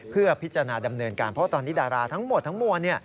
เพื่อพิจารณาดำเนินการเพราะว่าตอนนี้ดาราทั้งหมดทั้งมวล